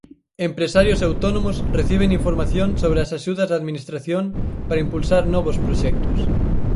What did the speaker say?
Empresarios e autónomos reciben información sobre as axudas da Administración para impulsar novos proxectos.